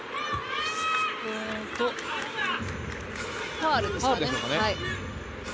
ファウルですかね。